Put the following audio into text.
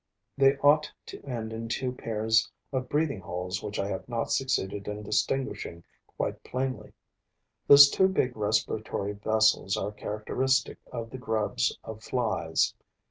They ought to end in two pairs of breathing holes which I have not succeeded in distinguishing quite plainly. Those two big respiratory vessels are characteristic of the grubs of flies.